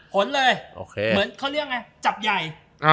เหมือนเรียกอะไรจับใหญ่